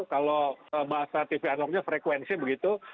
kalau bahasa tv analognya frekuensi begitu